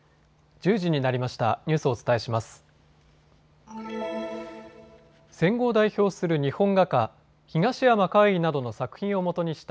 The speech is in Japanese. １０時になりました。